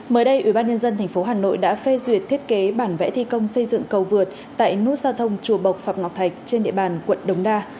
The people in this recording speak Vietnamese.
mới đây ủy ban nhân dân tp hà nội đã phê duyệt thiết kế bản vẽ thi công xây dựng cầu vượt tại nút giao thông chùa bộc phạm ngọc thạch trên địa bàn quận đồng đa